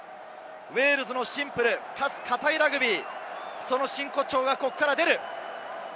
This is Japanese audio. ウェールズのシンプルかつ堅いラグビー、その真骨頂がここから出る。